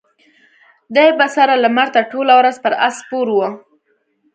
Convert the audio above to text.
دی به سره لمر ته ټوله ورځ پر آس سپور و.